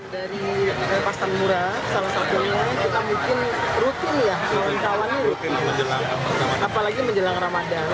dari pasar murah salah satunya kita mungkin rutin ya apalagi menjelang ramadan